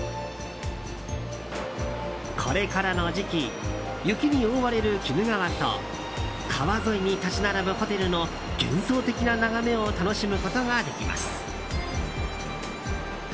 これからの時期雪に覆われる鬼怒川と川沿いに立ち並ぶホテルの幻想的な眺めを楽しむことができます。